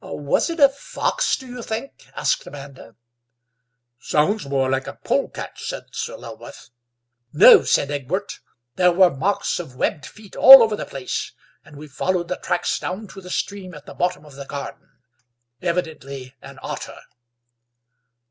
"Was it a fox, do you think?" asked Amanda. "Sounds more like a polecat," said Sir Lulworth. "No," said Egbert, "there were marks of webbed feet all over the place, and we followed the tracks down to the stream at the bottom of the garden; evidently an otter."